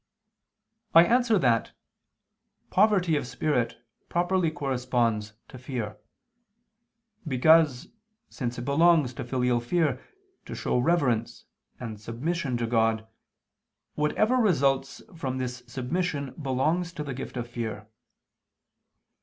I answer that, Poverty of spirit properly corresponds to fear. Because, since it belongs to filial fear to show reverence and submission to God, whatever results from this submission belongs to the gift of fear.